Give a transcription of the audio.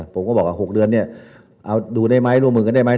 ผมก็บอกอ่ะ๖เดือนดูได้ไหมร่วมมือกันได้ไหม